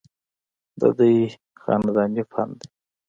ددوي خانداني فن دے